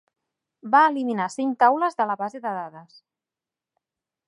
Va eliminar cinc taules de la base de dades.